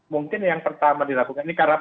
mungkin yang pertama dilakukan ini karena